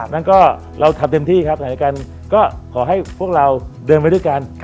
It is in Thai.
แล้วก็เราทำเต็มที่ครับในใดเดียวกันก็ขอให้พวกเราเดินไปด้วยกัน